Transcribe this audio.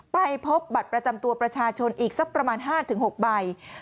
ไปพบบัตรประจำตัวประชาชนอีกสักประมาณ๕๖ใบ